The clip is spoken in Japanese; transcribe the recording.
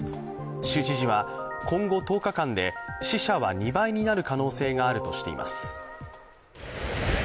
州知事は今後１０日間で死者は２倍になる可能性があるとしています。